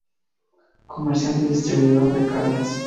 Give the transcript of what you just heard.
Comerciante distribuidor de carnes.